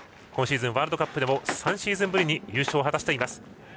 今シーズン、ワールドカップでも３シーズンぶりに優勝を果たしています。